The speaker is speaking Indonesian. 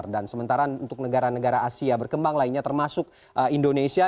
dan sementara untuk negara negara asia berkembang lainnya termasuk indonesia